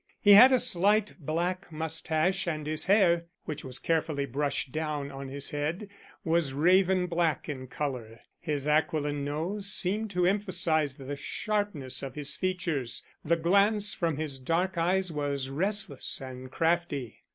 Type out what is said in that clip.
He had a slight black moustache, and his hair, which was carefully brushed down on his head, was raven black in colour. His aquiline nose seemed to emphasize the sharpness of his features; the glance from his dark eyes was restless and crafty.